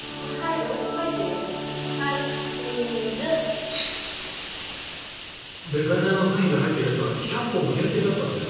行くよデザイナーのサインが入ってるやつは１００本限定だったんだよ。